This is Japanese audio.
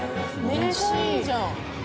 めっちゃいいじゃん。